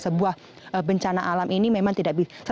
sebuah bencana alam ini memang tidak bisa